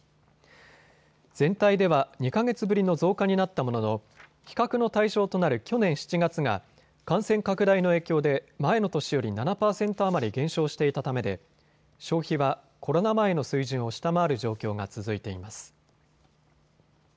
全体では２か月ぶりの増加になったものの比較の対象となる去年７月が感染拡大の影響で前の年より７％余り減少していたためで消費はコロナ前の水準を下回る状況が続いています。